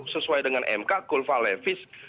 sesuai dengan mk kulfa levis